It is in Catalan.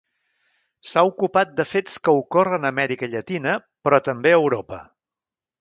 S'ha ocupat de fets que ocorren a Amèrica Llatina, però també a Europa.